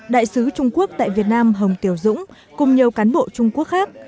đại sứ trung quốc tại việt nam hồng tiểu dũng cùng nhiều cán bộ trung quốc khác